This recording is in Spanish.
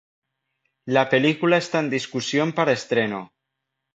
La película esta en discusión para estreno.